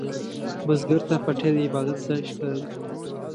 بزګر ته پټی د عبادت ځای ښکاري